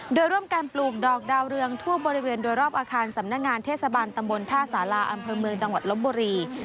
โดยร่วมการปลูกดอกดาวเรืองทั่วบริเวณโดยรอบอาคารสำนักงานเทศบาลตำบลท่าสาราอำเภอเมืองจังหวัดลบบุรี